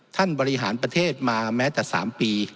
บริหารประเทศมาแม้แต่๓ปี